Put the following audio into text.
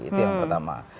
itu yang pertama